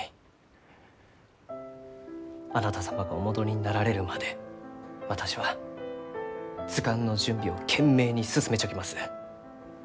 あなた様がお戻りになられるまで私は図鑑の準備を懸命に進めちょきます。